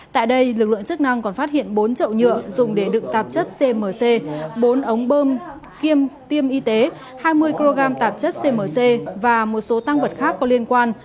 tại đây lực lượng chức năng còn phát hiện bốn chậu nhựa dùng để đựng tạp chất cmc bốn ống bơm kiêm tiêm y tế hai mươi kg tạp chất cmc và một số tăng vật khác có liên quan